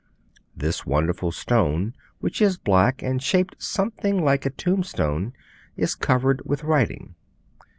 This wonderful stone, which is black and shaped something like a tombstone, is covered with writing.